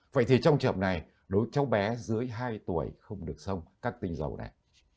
vậy thì trong trường này đối với cháu bé dưới hai tuổi không được sông các tinh dầu này